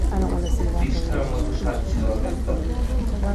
বিষ্ঠার মতো স্বাদ ছিল অনেকটা!